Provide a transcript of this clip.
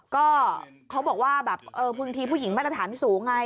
ก็เขาบอกว่าแบบบางทีผู้หญิงมาตรฐานสูงไง